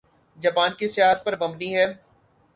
Japan کی سیاحت پر مبنی ہے